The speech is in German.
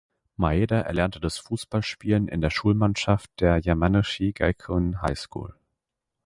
Maeda erlernte das Fußballspielen in der Schulmannschaft der "Yamanashi Gakuin High School".